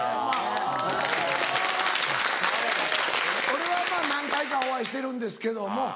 俺はまぁ何回かお会いしてるんですけども。